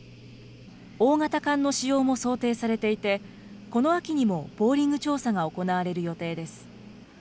大型艦の使用も想定されていて、この秋にもボーリング調査が行われる予定です。